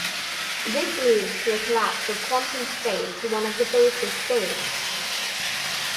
This leads to a collapse of quantum state to one of the basis states.